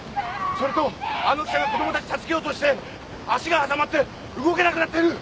それとあの記者が子供たち助けようとして脚が挟まって動けなくなってる。